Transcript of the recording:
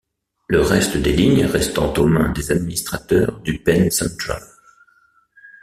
Le reste des lignes restant aux mains des administrateurs du Penn Central.